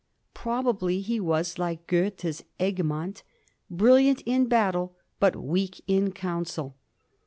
Probably he was, like Goethe's Egmont, brilliant in battle but weak in council.